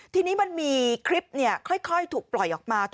ทีนี้มันมีคลิปค่อยถูกปล่อยออกมา